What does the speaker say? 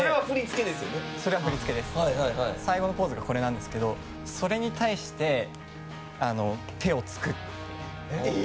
最後のポーズがそれなんですけどそれに対して、手をつく。